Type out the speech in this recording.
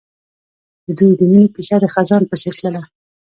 د دوی د مینې کیسه د خزان په څېر تلله.